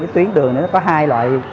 tuyến đường nó có hai loại